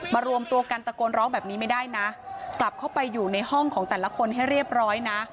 รวมตัวกันตะโกนร้องแบบนี้ไม่ได้นะกลับเข้าไปอยู่ในห้องของแต่ละคนให้เรียบร้อยนะ